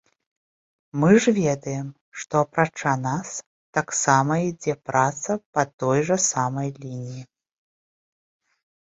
Мы ж ведаем, што, апрача нас, таксама ідзе праца па той жа самай лініі.